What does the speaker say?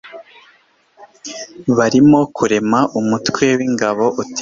birimo kurema umutwe w'ingabo utemewe